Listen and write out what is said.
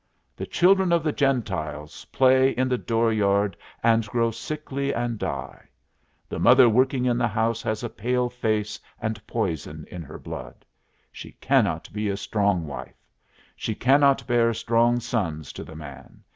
The children of the Gentiles play in the door yard and grow sickly and die. The mother working in the house has a pale face and poison in her blood. She cannot be a strong wife. She cannot bear strong sons to the man.